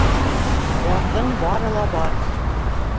Барҙың бары ла бар